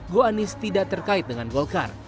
goanis tidak terkait dengan golkar